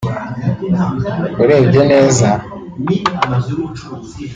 urebye neza